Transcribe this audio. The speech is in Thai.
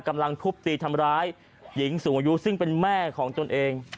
กำลังทุบตีทำร้ายหญิงสูงอายุซึ่งเป็นแม่ของตนเอง